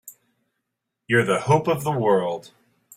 You're the hope of the world!